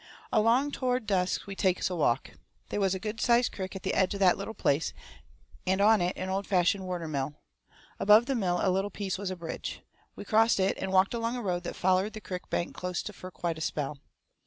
Along toward dusk we takes a walk. They was a good sized crick at the edge of that little place, and on it an old fashioned worter mill. Above the mill a little piece was a bridge. We crossed it and walked along a road that follered the crick bank closte fur quite a spell.